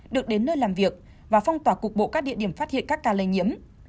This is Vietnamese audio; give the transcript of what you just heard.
được đến nơi làm việc và phong tỏa cục bộ các địa điểm phát hiện các ca lây nhiễm